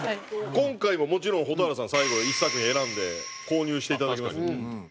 今回ももちろん蛍原さん最後１作品選んで購入していただきます。